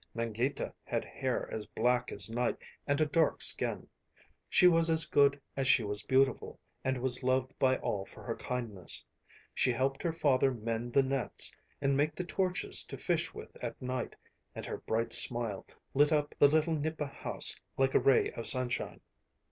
Mangita had hair as black as night and a dark skin. She was as good as she was beautiful, and was loved by all for her kindness. She helped her father mend the nets and make the torches to fish with at night, and her bright smile lit up the little nipa house like a ray of sunshine.